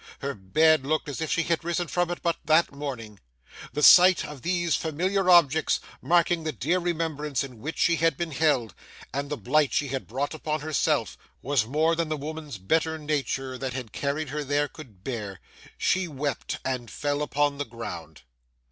Her bed looked as if she had risen from it but that morning. The sight of these familiar objects, marking the dear remembrance in which she had been held, and the blight she had brought upon herself, was more than the woman's better nature that had carried her there could bear. She wept and fell upon the ground.